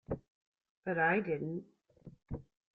But I didn't.